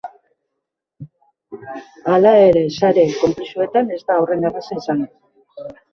Hala ere, sare konplexuetan ez da horren erraza izango.